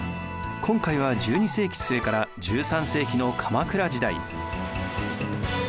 今回は１２世紀末から１３世紀の鎌倉時代。